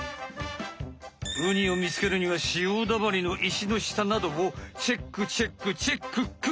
ウニをみつけるには潮だまりの石の下などをチェックチェックチェックック。